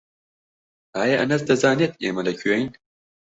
ئایا ئەنەس دەزانێت ئێمە لەکوێین؟